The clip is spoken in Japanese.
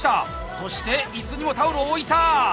そしていすにもタオルを置いた！